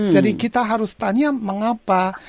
jadi kita harus tanya mengapa